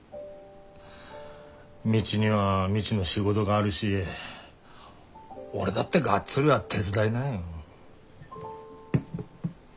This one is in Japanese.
未知には未知の仕事があるし俺だってがっつりは手伝えない。